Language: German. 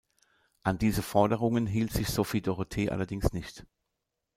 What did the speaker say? An diese Forderungen hielt sich Sophie Dorothee allerdings nicht.